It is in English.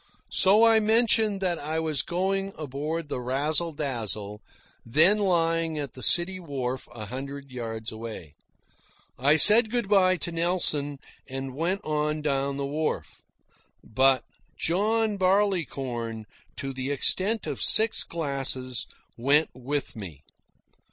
So I mentioned that I was going aboard the Razzle Dazzle, then lying at the city wharf, a hundred yards away. I said good bye to Nelson, and went on down the wharf. But, John Barleycorn, to the extent of six glasses, went with me.